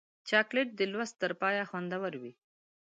چاکلېټ د لوست تر پایه خوندور وي.